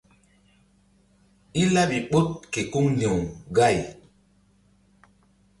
I laɓi ɓoɗ ke kuŋ ndi̧w gay.